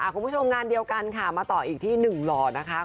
คุณผู้ชมงานเดียวกันค่ะมาต่ออีกที่หนึ่งหล่อนะคะ